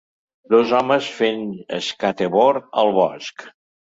Dos homes fent skateboard al bosc.